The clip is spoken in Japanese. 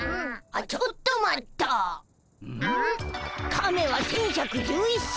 カメは１，１１１歳。